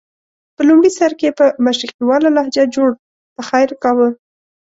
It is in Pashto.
په لومړي سر کې یې په مشرقیواله لهجه جوړ پخیر کاوه.